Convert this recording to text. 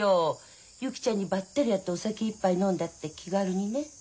「ゆきちゃんにばったり会ってお酒一杯飲んだ」って気軽にね。